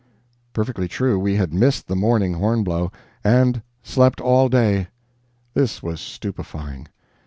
Perfectly true. We had missed the MORNING hornblow, and slept all day. This was stupefying.